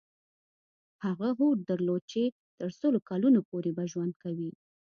هغه هوډ درلود چې تر سلو کلونو پورې به ژوند کوي.